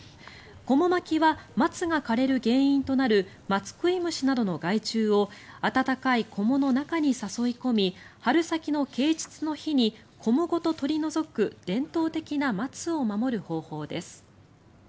こも巻きは松が枯れる原因となる松食い虫などの害虫を暖かいこもの中に誘い込み春先の啓蟄の日にこもごと取り除く伝統的な松を守る方法です。